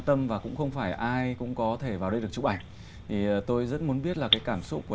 tâm và cũng không phải ai cũng có thể vào đây được chụp ảnh thì tôi rất muốn biết là cái cảm xúc của